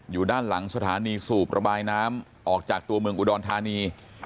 อยู่ด้านหลังสถานีสูบระบายน้ำออกจากตัวเมืองอุดรธานี